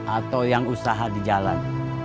atau yang usaha di jalan